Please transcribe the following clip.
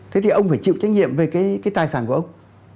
thế thì ông phải chịu trách nhiệm về cái tài sản của ông